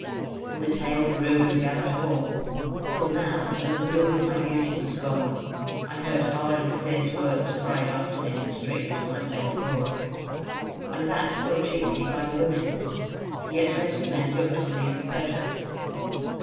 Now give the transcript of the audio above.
And the tale grew and gathered form, till now, when the bloom of my beauty was gone, I heard hard and fierce words cried after me in the streets when I fared abroad, and that still chiefly by the women: for yet most men looked on me with pleasure.